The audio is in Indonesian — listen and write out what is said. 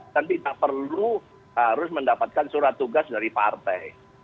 kan tidak perlu harus mendapatkan surat tugas dari partai